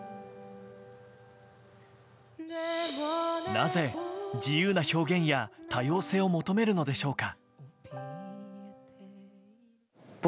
なぜ、自由な表現や多様性を求めるのでしょうか？